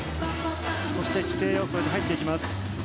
そして規定要素に入っていきます。